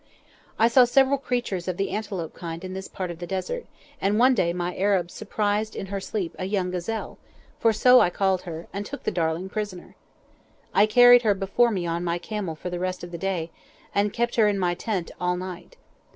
I saw several creatures of the antelope kind in this part of the Desert, and one day my Arabs surprised in her sleep a young gazelle (for so I called her), and took the darling prisoner. I carried her before me on my camel for the rest of the day, and kept her in my tent all night.